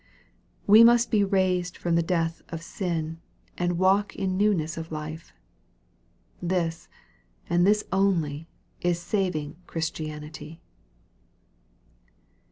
We must be raised from the death of sin, and walk in newness of life. This and this only is saving Christianity.